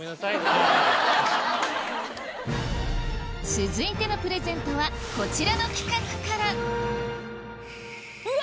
続いてのプレゼントはこちらの企画からうわ！